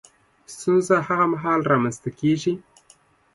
ستونزه هغه مهال رامنځ ته کېږي